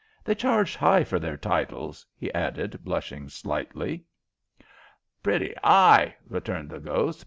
They charge high for their titles," he added, blushing slightly. "Pretty 'igh," returned the ghost.